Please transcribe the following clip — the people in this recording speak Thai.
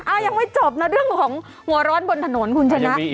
ยังไม่จบนะเรื่องของหัวร้อนบนถนนคุณชนะ